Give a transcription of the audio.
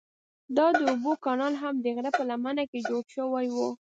دا د اوبو کانال هم د غره په لمنه کې جوړ شوی و.